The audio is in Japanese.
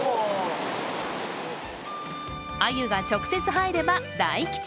鮎が直接入れば大吉。